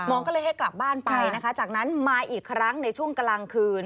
ก็เลยให้กลับบ้านไปนะคะจากนั้นมาอีกครั้งในช่วงกลางคืน